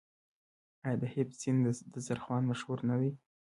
آیا د هفت سین دسترخان مشهور نه دی؟